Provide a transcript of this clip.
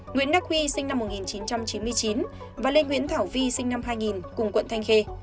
nguyễn đắc huy sinh năm một nghìn chín trăm chín mươi chín và lê nguyễn thảo vi sinh năm hai nghìn cùng quận thanh khê